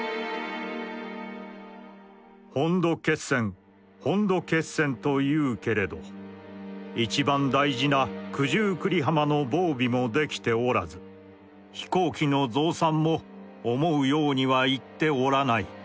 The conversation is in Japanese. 「本土決戦本土決戦と云ふけれど一番大事な九十九里浜の防備も出来て居らず飛行機の増産も思ふ様には行つて居らない。